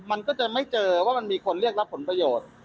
มันก็จะไม่เจอว่ามันมีคนเรียกรับผลประโยชน์